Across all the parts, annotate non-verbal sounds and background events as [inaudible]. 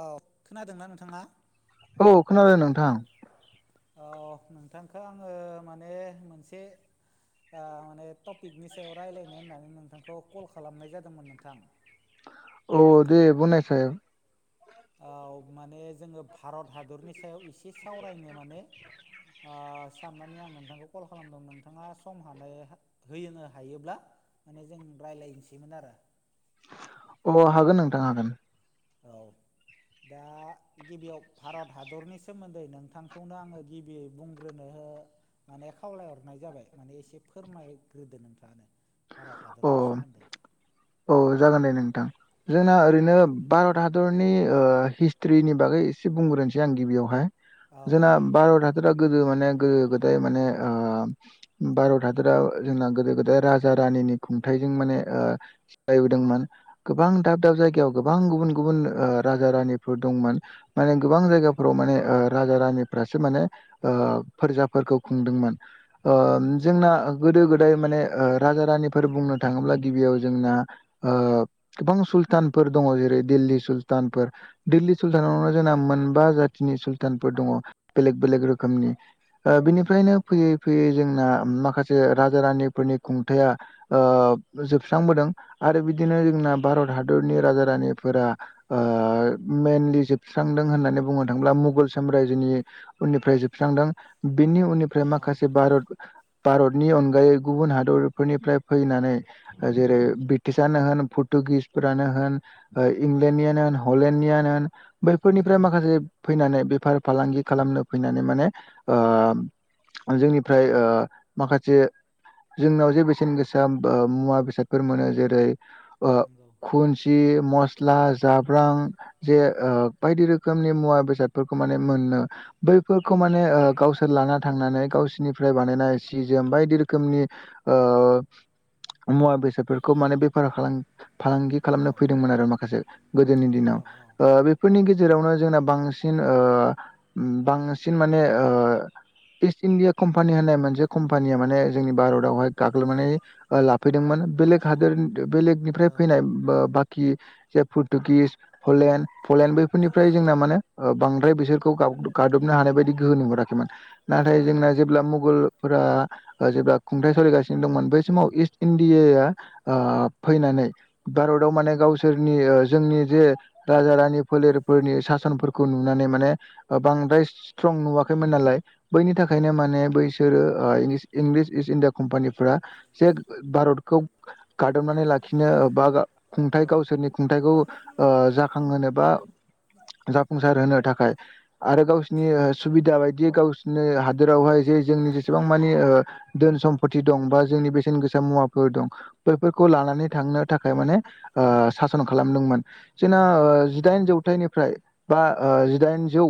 औ खोनादोंना नोंथाङा? औ खोनादों नोंथां। औ नोंथांखो आङो माने मोनसे ओ माने टपिकनि सायाव रायलायनो होननानै नोंथांखौ कल खालामनाय जादोंमोन नोंथां औ दे बुंनायसाय औ माने जोङो भारत हादरनि सायाव एसे सावरायनो माने अ साननानै आं नोंथांखौ कल खालामदों नोंथाङा सम हानो हैयोनो हायोब्ला माने जों रायलायनोसैमोन आरो अ हागोन नोंथां हागोन औ दा गिबियाव भारत हादरनि सोमोन्दै नोंथांखौनो आङो गिबियै बुंग्रोनो हो माने खावलायहरनाय जाबाय माने एसे फोरमायग्रोदो नोंथांआनो अ औ जागोन दे नोंथां औ जोंना ओरैनो भारत हादरनि ओ हिसट्रिनि बागै एसे बुंग्रोनोसै आं गिबियावहाय औ जोंना औ भारत हादरा गोदो माने गोदो गोदाय माने ओ भारत हादराव जोंना गोदो गोदाय राजा रानिनि खुंथाइजों माने ओ [unintelligible] दोंमोन गोबां दाब दाब जायगायाव गोबां गुबुन गुबुन ओ राजा रानिफोर दंमोन। माने गोबां औ जायगाफोराव माने ओ राजा रानिफ्रासो माने ओ फोरजाफोरखौ खुंदोंमोन ओ नंगौ जोंना गोदो गोदाय माने ओ राजा रानि फोर बुंनो थाङोब्ला गिबियाव जोंना ओ गोबां सुल्तानफोर दङ जेरै- दिल्ली सुलतानफोर दिल्ली सुल्तानावनो जोंना मोनबा जातिनि सुलतानफोर दङ बेलेग बेलेग रोखोमनि ओ नंगौ बिनिफ्रायनो फैयै फैयै जोंना माखासे राजा रानिफोरनि खुंथाया ओ जोबस्रांबोदों आरो बिदिनो जोंना भारत हादरनि राजा रानिफोरा ओ मेइनलि जोबस्रांदों होननानै बुंनो थाङोब्ला मुगल साम्रायजोनि उननिफ्राय जोबस्रांदों बेनि उननि फ्राय औ माखासे भारत भारतनि अनगायै गुबुन हादरफोरनिफ्राय फैनानै जेरै- ब्रिटिसानो होन पर्टुगिसफोरानो होन ओ औ इंलेण्डनियानो होन हलेण्डनियानो होन बैफोरनिफ्राय माखासे फैनानै बेफार फालांगि खालामनो फैनानै माने ओ जोंनिफ्राय ओ माखासे जोंनाव जे बेसेन गो सा ओ मुवा बेसादफोर मोनो जेरै- ओ नंगौ खुन गि मस्ला जाब्रां जे ओ बायदि रोखोमनि मुवा बेस सादफोरखौ माने मोननो बैफोरखौ माने औ ओ गावस सोर लाना थांनानै गावसोरनिफ्राय बानायनाय सि जोम बायदि रोखोमनि ओ मुवा बेसादफोरखौ माने बेफार फालां-फालांगि औ खालामनो फैदोंमोन आरो माखासे गोदोनि औ दिनाव ओ बे फोरनि गेजेरावनो जोंना बांसिन ओ बांसिन माने ओ इस्ट इण्डिया कम्पानि होननाय मोनसे कम्पानिया माने जोंनि भारतावहाय गाग्लोबनानै ओ लाफैदोंमोन बेलेग हादोर बेलेगनिफ्राय औ औ फैनाय बो बाखि जे पुरतुगिज हलेण्ड पलेनड बैफोरनिफ्राय जोंना माने ओ-बांद्राय बिसोरखौ गा-गादबनो हानाय बायदि गोहो नुहुराखै मोन। नाथाय जोंना जेब्ला मुगलफोरा ओ-जेब्ला खुंथ सोलिगासिनो दंमोन बै समाव इस्ट इण्डियाया ओ-फैनानै। भारताव माने गावसोरनि ओ-जोंनि जे राजा रानि फोलेरफोरनि सासनफोरखौ नुनानै माने ओ-बांद्राय स्ट्रं नुवाखैमोन नालाय। बैनि थाखायनो माने बैसोरो ओ-इंलिस-इंलिस इस्ट इण्डिया कम्पानिफोरा जेख भारतखौ गादबनानै लाखिनो बा खुंथाय गावसोरनि खुंथाइखौ ओ-जाखांहोनो बा जाफुंसार होनो थाखाय। आरो गावसिनि सुबिदा बायदियै गावसोरनि हादोरावहाय जे जोंनि जेसेबां मानि ओ- धोन सम्पति दं बा जोंनि बे बेसेन गोसा मुवाफोर दं बेफोरखौ लानानै थांनो थाखाय माने ओ-सासन खालामदोंमोन। जोंना ओ-जिदाइन जौथाइनिफ्राय बा ओ-जिदाइन जौ।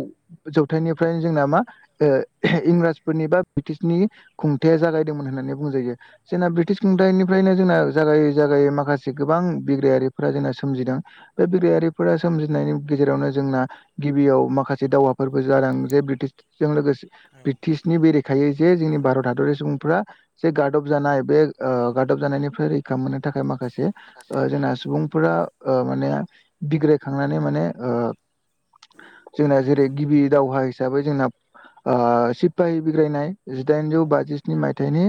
जौथायनिफ्रायनो जोंना मा? ओ-इंराजफोरनि बा ब्रिटिशनि खुंथाया जागायदोंमोन होननानै बुंजायो। जोंना ब्रिटिश खुंथायनिफ्रायनो जोंना जागायै जागायै माखासे गोबां बिग्रायारिफोरा जोंना सोमजिदों। बे बिग्रायारिफोरा सोमजिनायनि गेजेरावनो जोंना गिबियाव माखासे दावहाफोरबो जादों जे ब्रिटिशजों लोगोसे ब्रिटिशनि बेरेखायै जे जोंनि भारत हादरनि सुबुंफ्रा जे गादब जब जानाय बे ओ-गादब जानायनिफ्राय रैखा मोननो थाखाय माखासे। ओ-जोंना सुबुंफोरा ओ-माने बिग्रायखांनानै माने जोंना जेरै गिबि दावहा हिसाबै जोंना सिपाहि बिग्रायनाय जिदाइनजौ बाजिस्नि मायथाइनि।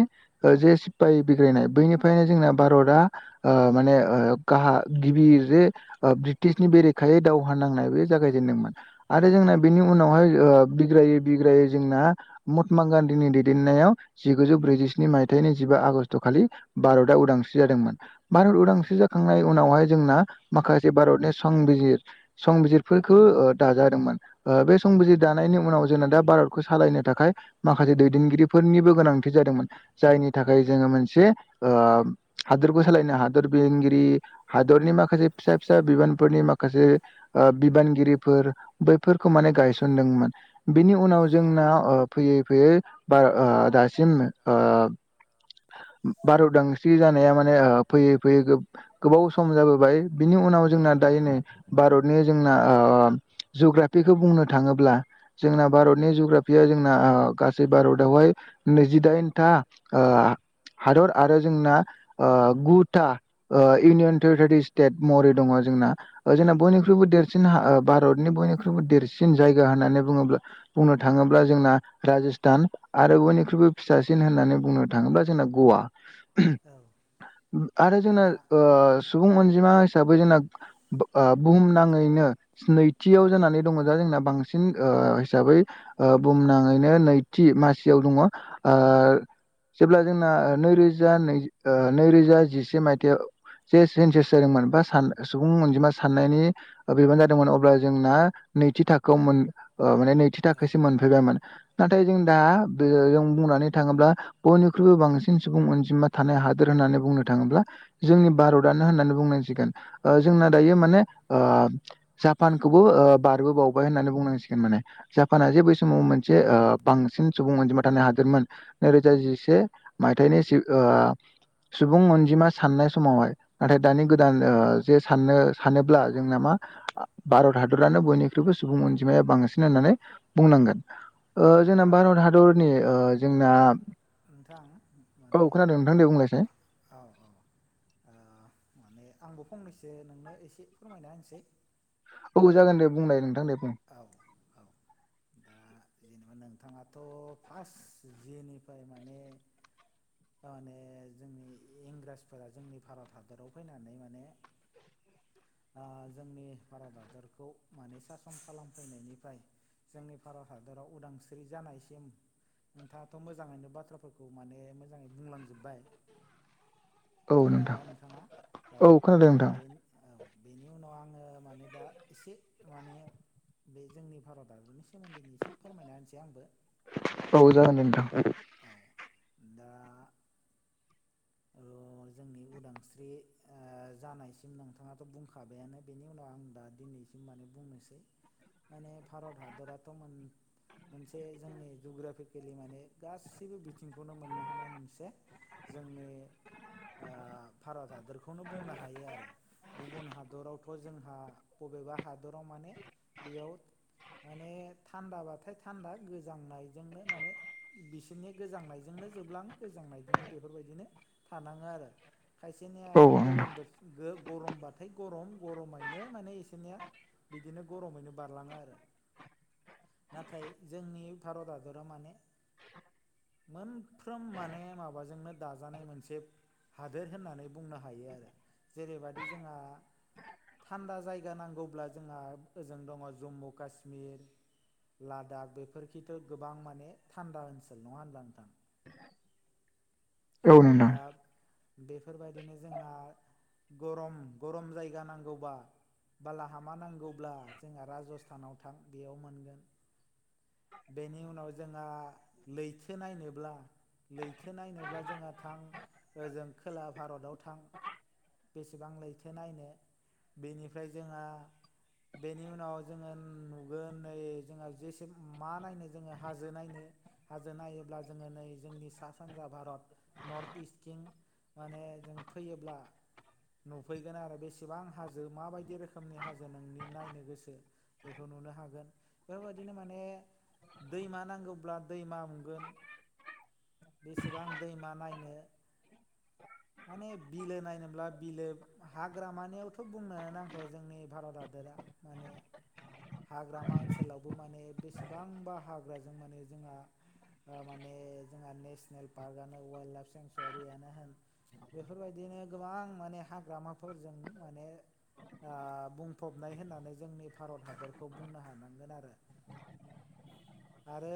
ओ-जे सिफाय बिग्रायनाय बैनिफ्रायनो जोंना भारतआ ओ-माने ओ-गाहा गिबि जे ओ-ब्रिटिशनि बेरेखायै दावहा नांनाय बे जागायजेनदोंमोन। आरो जोंना बेनि उनावहाय ओ-बिग्रायै बिग्रायै जोंना मतमा गान्धीनि दैदेननायाव जिगुजौ ब्रैजिस्नि मायथ थाइनि नैजिबा आगष्ट खालि भारतआ उदांस्रि जादोंमोन। भारत उदांस्रि जाख खांनाय उनावहाय जोंना माखासे भारतनि संबिजिर संबिजिरफोरखो ओ- दाजादोंमोन। ओ-बे संबिजि दानायनि उनाव जोंना दा भारतखौ सालायनो थाखाय माखासे दैदेनगिरिफोरनिबो गोनांथि जादोंमोन। जायनि थाखाय जोङो मोनसे ओ-हादरखौ सालायनो हादर बेंगिरि हादरनि माखासे फिसा फिसा बिबानफोरनि माखासे ओ-बिबानगिरिफोर बैफोरखौ माने गायसनदोंमोन। बिनि उनाव जोंना ओ-फैयै फैयै बा-ओ-दासिम ओ- भारत उदांस्रि जानाया माने ओ-फैयै फैयै गोब-गोबाव सम जाबोबाय। बिनि उनाव जोंना दायो नै भारतनि जोंना ओ- जुग्राफिखौ बुंनो थाङोब्ला जोंना भारतनि जुग्राफिया जोंना गासै भारतआवहाय नैजिदाइनथा ओ-हादर आरो जोंना ओ-गुथा ओ-इउनियन टेरिटारि स्टेट महरै दङ जोंना। ओ-जोंना बयनिख्रुइबो देरसिन हा-भारतनि बयनिख्रुइबो देरसिन जायगा होननानै बुङोब्ला बुंनो थाङोब्ला जोंना राजस्थान आरो बयनिख्रुइबो फिसासिन होननानै बुंनो थाङोब्ला जोंना गवा। आरो जोंना दा सुबुं अनजिमा हिसाबै जोंना ओ-बुहुम नाङैनो नैथियाव औ जानानै दङ दा जोंना ओ-बांसिन हिसाबै। बुंनाङैनो नैथि मासियाव दङ। ओ- जेब्ला जोंना ओ नै रोजा नै नै रोजा जिसे मायथाइयाव जे सेन्जस जादोंमोन बा सुबुं अनजिमा साननायनि बिबान जादोंमोन अब्ला जोंना नैथि थाखोआव मोन ओ माने नैथि औ थाखोसिम मोनफैबायमोन। नाथाय जों दा बे जों बुंनानै थाङोब्ला बयनिख्रुइबो बांसिन सुबुं अनजिमा थानाय हादोर होननानै बुंनो थाङोब्ला जोंनि भारतआनो होननानै बुंनांसिगोन ओ जोंना औ दायो माने ओ जापानखौबो ओ बारबो बावबाय होननानै बुंनांसिगोन माने। जापानआ जे बै समाव मोनसे ओ बांसिन सुबुं अनजिमा थानाय हादोरमोन नैरोजा जि से मायथाइनि ओ सुबुं अनजिमा साननाय समावहाय। नाथाय दानि गोदान ओ जे साननो सानोब्ला जोंना मा भारत हादरानो बयनिख्रुइबो सुबुं अनजिमाया बांसिन होननानै बुंनांगोन। ओ औ जोंना भारत हादरनि ओ जोंना दा नोंथां औ माने खोनादों नोंथां दे बुंलायसाय औ औ। ओ। माने आंबो फंनैसो नोंनो एसे फोरमायना होनोसै। औ जागोन दे बुंलाय नोंथां दे बुं। औ औ। ओ जेनेबा नोंथाङाथ' फास जेनिफाय माने तामाने जोंनि इंराजफोरा जोंनि भारत हादराव फैनानै माने ओ जोंनि भारत हादरखौ माने सासन खालामफैनायनिफ्राय जोंनि भारत हादराव उदांस्रि जानायसिम नोंथाङाथ' मोजाङैनो बाथ्राफोरखौ माने मोजाङै बुंलांजोबबाय [inaudible] नोंथां खोनादोंना नोंथाङा औ खोनादों दा नोंथां बेनो औ‌‌। बेनि उनाव आङो माने दा एसे माने बे जोंनि भारत हादरनि सोमोन्दैनि एसे फोरमायना होनसै आंबो। औ जागोन दे नोंथां उम। औ दा ओ जोंनि उदांस्रि ओ जानायसिम नोंथाङा थ' बुंखाबायानो बेनि उनाव आं दा दिनैसिम माने बुंनोसै। माने भारत हादराथ' मोन मोनसे जोंनि जुग्राफिकेलि माने गासैबो बिथिंखौनो मोननो हानाय मोनसे जोंनि ओ भारत हादरखौनो बुंनो हायो आरो। गुबुन हादरावथ' जोंहा बबेबा हादराव माने बेयाव माने थान्दाबाथाय थान्दा गोजांनायजोंनो माने बिसोरनि गोजांनायजोंनो जोबलां गोजांनायजोंनो बेफोरबायदिनो थानाङो आरो। खायसेनिया औ आरो नोंथां गोलोमबो गो गरमबाथाय गरम गरमैनो माने एसोरनिया बिदिनो गरमैनो बारलाङो आरो। नाथाय जोंनि भारत हादरा माने मोनफ्रोम माने माबाजोंनो दाजानाय मोनसे हादोर होननानै बुंनो हायो आरो जेरैबादि जोंहा थान्दा जायगा नांगौब्ला जोंहा ओजों दङ जम्मु काशमिर। लादाख बेफोरखिथ' गोबां माने थान्दा ओन्सोल नङा होनब्ला नोंथां? औ नोंथां दा बेफोरबायदिनो जोंहा गरम गरम जायगा नांगौबा बालाहामा नांगौब्ला जोंहा राजस्थानाव थां बेयाव मोनगोन। बेनि उनाव जोंहा लैथो नायनोब्ला लैथो नायनोब्ला जोंहा थां ओजों खोला भारताव थां। बेसेबां लैथो नायनो बेनिफ्राय जोंहा बेनि उनाव जोङो नुगोन नै जोंहा जेसे मा नायनो जोङो हाजो नायनो। हाजो नायोब्ला जोङो नै जोंनि सा सानजा भारत नर्थ इस्टकिं माने जों फैयोब्ला नुफैगोन आरो बेसेबां हाजो माबायदि रोखोमनि हाजो नोंनि नायनो गोसो एखौ नुनो हागोन बेबादिनो माने दैमा नांगौब्ला दैमा मोनगोन बेसेबां दैमा नायनो माने बिलो नायनोब्ला बिलो हाग्रामानियावथ' बुंनो नांखाया जोंनि भारत हादोरा माने हाग्रामा ओनसोलावबो माने बेसेबांबा हाग्राजों माने जोंहा ओ माने जोंहा नेसनेल पार्कआनो वाइल्ड लाइफ सेंसरियानो होन बेफोरबायदिनो गोबां माने हाग्रामाफोरजों माने ओ बुंफबनाय होननानै जोंनि भारत हादरखौ बुंनो हानांगोन आरो [inaudible] आरो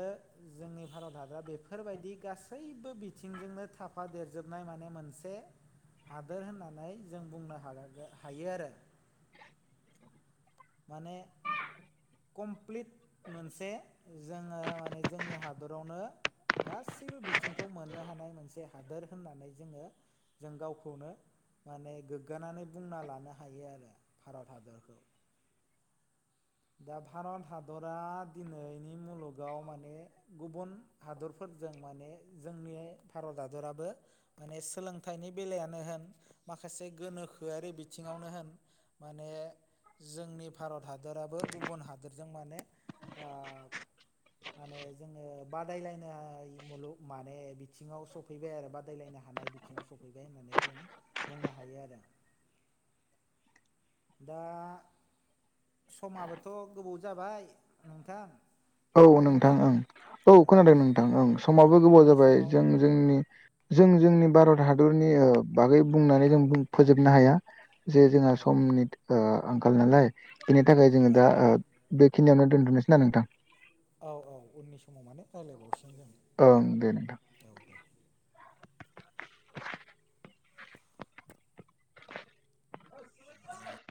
जोंनि भारत हादरा बेफोरबायदि गासैबो बिथिंजोंनो था फा देरजोबनाय माने मोनसे हादोर होनना नै जों बुंनो [unintelligible] हायो आरो माने कमप्लिट मोनसे जोङो माने जोंनि हादरावनो गासैबो बिथिंखौ मोननो हानाय मोनसे हादोर होननानै जोङो जों गावखौनो माने गोग्गानानै बुंना लानो हायो आरो भारत हादरखौ दा भारत हादरा दिनैनि मुलुगाव माने गुबुन हादरफोरजों माने जोंनि भारत हादराबो माने सोलोंथाइनि बेलायानो होन माखासे गोनोखोआरि बिथिङावनो होन माने जोंनि भारत हादोराबो गुबुन हादोरजों माने ओ माने जोंनो बादायलायनाय मुलुग माने बिथिङाव सफैबाय आरो बादायलायनो हानाय बि थिङाव सफैबाय होननानै जों बुंनो हायो आरो [inaudible] दा समाबो थ' गोबौ जाबाय नोंथां औ नोंथां खोनादोंना? ओं औ खोनादो नोंथां ओं औ समाबो गोबाव उननि जाबाय समाव जों जोंनि जों जोंनि भारत हादरनि ओ बागै बुंनानै औ जों बुं फोजोबनो हाया जे जोंहा औ समनि ओ आंखाल नालाय बेनि थाखाय जोङो औ दा ओ बेखिनियावनो दोनथ'नोसै ना नोंथां औ औ उननि समाव माने रायलायबावसिगोन जों ओं दे नोंथां दे औ दे [unintelligible]